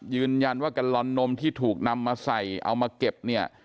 ยืนยันว่ากัลลอนนมที่ถูกนำมาใส่เอามาเก็บเนี่ย